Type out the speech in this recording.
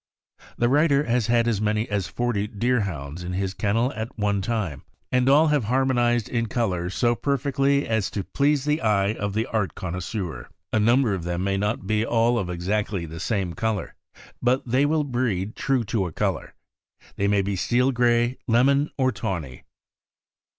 The writer has had as many as forty Deerhounds in his kennels at one time, and all have har monized in color so perfectly as to please the eye of the art connoisseur. A number of them may not be all of exactly the same color, but they will breed true to a color. They may be steel gray, lemon, or tawny.